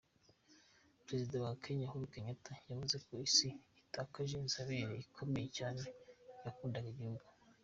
Perezida wa Kenya uhuru Kenyatta yavuze ko Isi itakaje inzobere ikomeye cyane yakundaga igihugu.